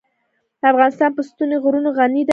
افغانستان په ستوني غرونه غني دی.